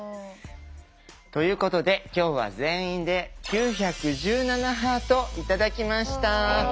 ということで今日は全員で９１７ハート頂きました。